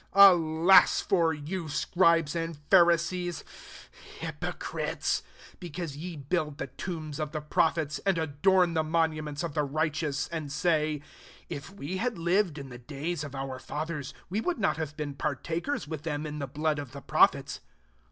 29*" Alas for you, scribes and Pharisees, hypocrites ! because ye build *the tombs of the pro phets, and adorn the monuments 6f the righteous ; 30 and say, * If We had lived in the days of our Bithers, we would not have been partakers with them in the blood of the prophets.'